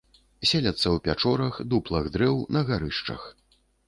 Селяцца ў пячорах, дуплах дрэў, на гарышчах.